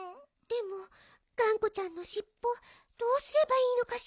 でもがんこちゃんのしっぽどうすればいいのかしら？